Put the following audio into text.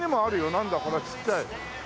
なんだこのちっちゃい。